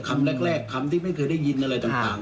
คำแรกคำที่ไม่เคยได้ยินอะไรต่าง